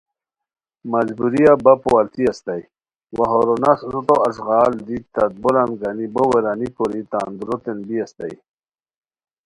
مجبوریہ بپو التی استائے وا ہورو نستو اݱغال دی تت بولان گانی بو ویرانی کوری تان دُوروتین بی استائے